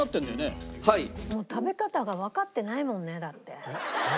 もう食べ方がわかってないもんねだって。